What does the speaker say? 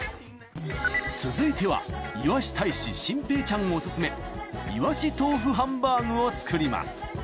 続いてはいわし大使心平ちゃんオススメイワシ豆腐ハンバーグを作ります。